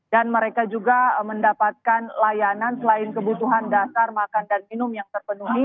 dan mereka juga mendapatkan layanan selain kebutuhan dasar makan dan minum yang terpenuhi